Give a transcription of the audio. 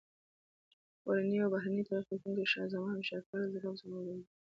کورني او بهرني تاریخ لیکونکي شاه زمان هوښیار، فعال، زړور او حوصله لرونکی بولي.